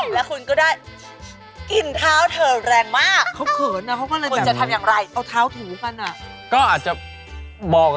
และคุณก็ได้กลิ่นเท้าเท้าแรงมาก